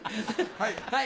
はい。